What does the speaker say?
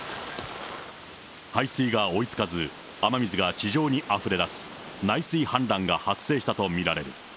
排水が追いつかず、雨水が地上にあふれ出す、内水氾濫が発生したと見られる。